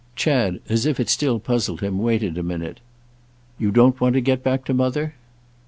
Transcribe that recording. Chad, as if it still puzzled him, waited a minute. "You don't want to get back to Mother?"